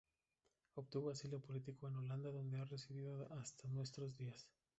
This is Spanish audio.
Obtuvo asilo político en Holanda donde ha residido hasta nuestros días.